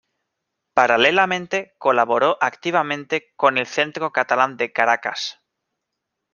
Paralelamente, colaboró activamente con el Centro Catalán de Caracas.